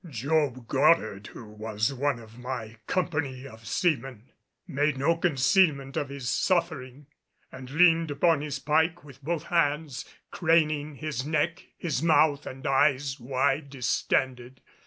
Job Goddard, who was one of my company of seamen, made no concealment of his suffering, and leaned upon his pike with both hands, craning his neck, his mouth and eyes wide distended.